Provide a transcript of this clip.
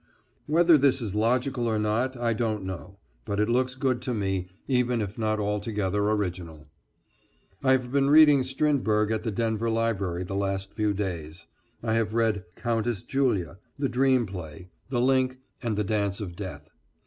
Whether this is logical or not, I don't know, but it looks good to me, even if not altogether original. I have been reading Strindberg at the Denver Library the last few days. I have read "Countess Julia, the Dream Play, the Link and the Dance of Death."